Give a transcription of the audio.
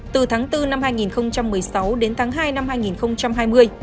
từ tháng bốn năm hai nghìn một mươi sáu đến tháng hai năm hai nghìn hai mươi